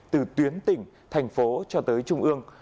từ tuyến tỉnh thành phố cho tới trung ương